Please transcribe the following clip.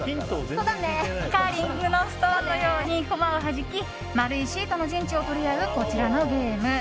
カーリングのストーンのように駒をはじき丸いシートの陣地を取り合うこちらのゲーム。